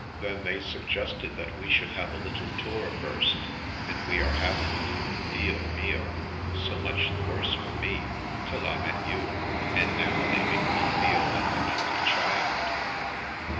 Then they suggested A Man from the Dark 191 that we should have a little tour first; and we are having It — Dio mio, so much the worse for me, till I met you! And now they make me feel like a naughty child."